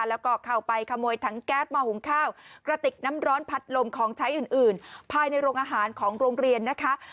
แล้วก็เข้าไปขโมยถังแก๊สมาหุงข้าวกระติกน้ำร้อนพัดลมของใช้อื่นภายในโรงอาหารของโรงเรียนนะคะ